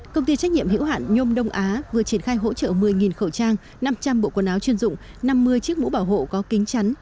công ty trách nhiệm hữu hạn nhôm đông á vừa triển khai hỗ trợ một mươi khẩu trang năm trăm linh bộ quần áo chuyên dụng năm mươi chiếc mũ bảo hộ có kính chắn